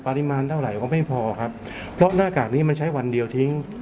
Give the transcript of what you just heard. เท่าไหร่ก็ไม่พอครับเพราะหน้ากากนี้มันใช้วันเดียวทิ้ง